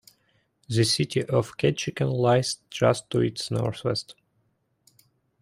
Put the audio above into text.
The city of Ketchikan lies just to its northwest.